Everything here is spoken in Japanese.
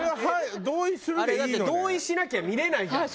同意しなきゃ見れないじゃん。